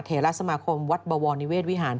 เทราสมาคมวัดบวรนิเวศวิหาร